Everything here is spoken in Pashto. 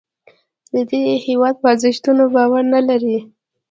دی د هیواد په ارزښتونو باور نه لري